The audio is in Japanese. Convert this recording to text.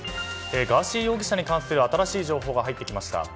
ガーシー容疑者に関する新しい情報が入ってきました。